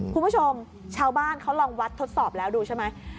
คุณผู้ชมชาวบ้านเขาลองวัดทดสอบแล้วดูใช่ไหม